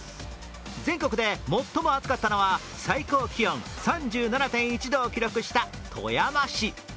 全国で最も暑かったのは最高気温、３７．１度を記録した富山市。